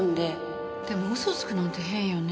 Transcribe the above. でも嘘をつくなんて変よね。